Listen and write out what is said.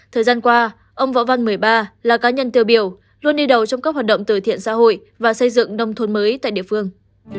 thời gian qua ông võ văn một mươi ba là cá nhân tiêu biểu luôn đi đầu trong các hoạt động từ thiện xã hội và xây dựng nông thôn mới tại địa phương